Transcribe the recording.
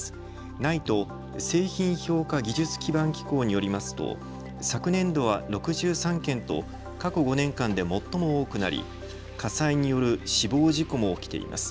ＮＩＴＥ・製品評価技術基盤機構によりますと昨年度は６３件と過去５年間で最も多くなり火災による死亡事故も起きています。